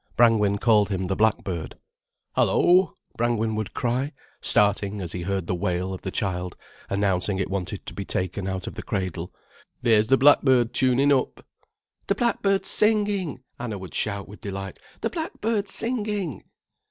Brangwen called him the blackbird. "Hallo," Brangwen would cry, starting as he heard the wail of the child announcing it wanted to be taken out of the cradle, "there's the blackbird tuning up." "The blackbird's singing," Anna would shout with delight, "the blackbird's singing."